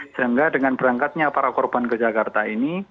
sehingga dengan berangkatnya para korban ke jakarta ini